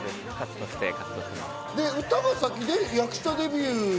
で、歌が先で役者デビュー？